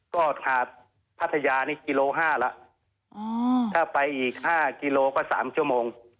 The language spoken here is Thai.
ก็หาดพัทยานี่กิโลห้าละอ๋อถ้าไปอีกห้ากิโลก็สามชั่วโมง